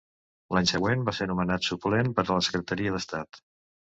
L'any següent va ser nomenat Suplent per a la Secretaria d'Estat.